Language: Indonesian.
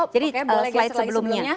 jadi slide sebelumnya